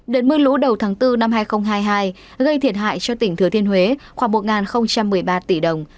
đợt mưa lũ đầu tháng bốn năm hai nghìn hai mươi hai gây thiệt hại cho tỉnh thừa thiên huế khoảng một một mươi ba tỷ đồng